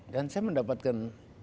dan saya mendapatkan